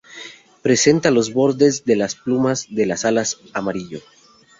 Presenta los bordes de las plumas de las alas amarillo.